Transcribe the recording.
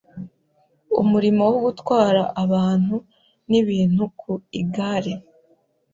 umurimo wo gutwara abantu n’ibintu ku igare